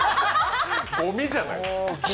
ごみじゃない。